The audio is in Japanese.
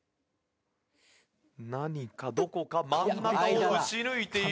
何かどこか真ん中を打ち抜いているようだ。